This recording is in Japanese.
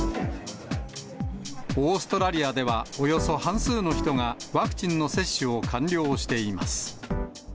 オーストラリアではおよそ半数の人がワクチンの接種を完了しています。